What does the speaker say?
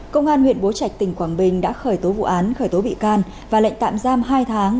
công an huyện bố trạch tỉnh quảng bình đã khởi tố vụ án khởi tố bị can và lệnh tạm giam hai tháng